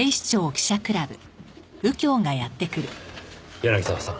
柳沢さん。